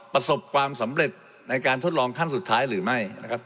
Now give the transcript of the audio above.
ประสบความสำเร็จในการทดลองขั้นสุดท้ายหรือไม่นะครับ